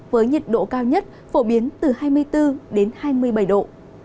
với nhiệt độ cao nhất phổ biến từ hai mươi bốn đến hai mươi bảy độ